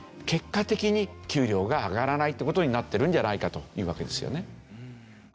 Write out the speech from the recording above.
結果的に給料が上がらないという事になってるんじゃないかというわけですよね。